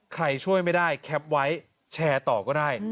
ใครช่วยไม่ได้แคปไว้แชร์ต่อก็ได้